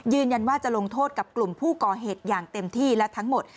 จะลงโทษกับกลุ่มผู้ก่อเหตุอย่างเต็มที่และทั้งหมด